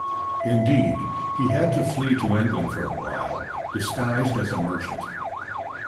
Indeed, he had to flee to England for a while, disguised as a merchant.